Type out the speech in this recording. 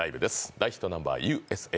大ヒットナンバー「Ｕ．Ｓ．Ａ．」。